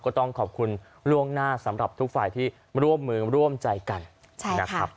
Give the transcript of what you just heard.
ก็ต้องขอบคุณล่วงหน้าสำหรับทุกฝ่ายที่ร่วมมือร่วมใจกันนะครับ